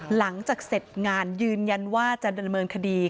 หลังจากเสร็จงานยืนยันว่าจะดำเนินคดี